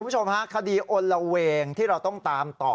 คุณผู้ชมฮะคดีอลละเวงที่เราต้องตามต่อ